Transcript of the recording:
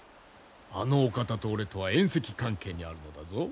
あのお方と俺とは縁戚関係にあるのだぞ。